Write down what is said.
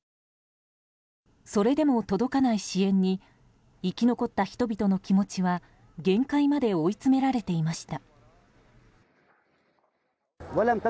それでも届かない支援に生き残った人々の気持ちは限界まで追い詰められていました。